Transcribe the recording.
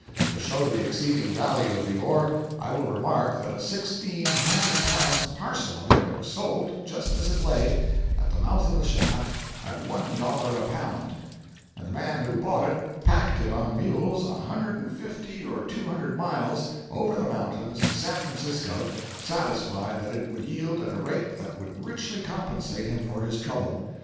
To show the exceeding value of the ore, I will remark that a sixteen hundred pounds parcel of it was sold, just as it lay, at the mouth of the shaft, at one dollar a pound; and the man who bought it "packed" it on mules a hundred and fifty or two hundred miles, over the mountains, to San Francisco, satisfied that it would yield at a rate that would richly compensate him for his trouble.